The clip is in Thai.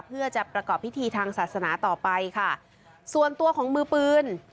เพื่อจะประกอบพิธีทางศาสนาต่อไปค่ะส่วนตัวของมือปืน